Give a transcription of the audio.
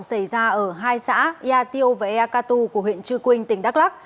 xảy ra ở hai xã yatio và yakatu của huyện chư quynh tỉnh đắk lắc